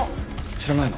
知らないの？